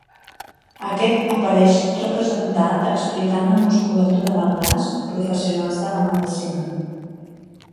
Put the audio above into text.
Aquest apareix representat explicant la musculatura del braç a professionals de la medicina.